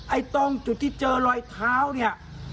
ไอ้ต้องจุดที่เจอลอยเท้าเนี่ย